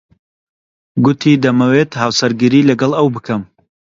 گوتی دەمەوێت هاوسەرگیری لەگەڵ ئەو بکەم.